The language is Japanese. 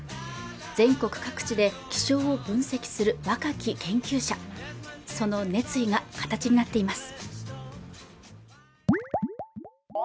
全国各地で気象を分析する若き研究者その熱意が形になっています